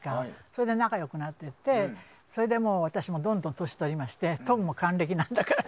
それで仲良くなっていってそれで私もどんどん年を取りましてトムも還暦なんだから。